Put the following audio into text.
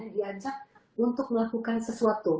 diajak untuk melakukan sesuatu